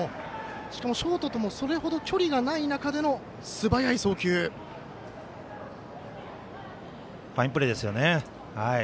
しかも、ショートともそれほど距離がない中でのファインプレーですよね。